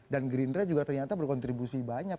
dan gerindra juga ternyata berkontribusi banyak